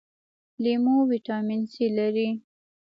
لیمو ویټامین سي لري